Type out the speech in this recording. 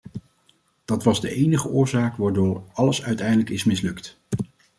Dat was de enige oorzaak waardoor alles uiteindelijk is mislukt.